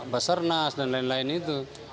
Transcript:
basarnas dan lain lain itu